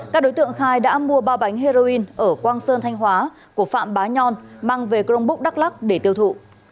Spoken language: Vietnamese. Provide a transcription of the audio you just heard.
các đối tượng khai đã mua ba bánh heroin ở quang sơn thanh hóa của phạm bá nhon mang về crong búc đắk lắc để tiêu thụ